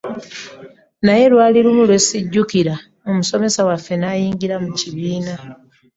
Naye lwali lumu lwe sijjukira, omusomesa waffe n’ayingira mu kibiina.